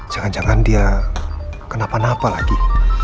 jangan jangan dia kenapa napa lagi